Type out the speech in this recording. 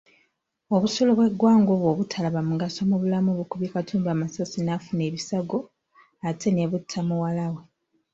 Obusolo bw'eggwanga obwo obutalaba mugaso mu bulamu bukubye Katumba amasasi n’afuna ebisago ate ne butta muwala we.